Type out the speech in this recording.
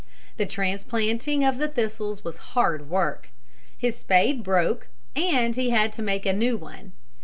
The transplanting of the thistles was hard work. His spade broke and he had to make a new one.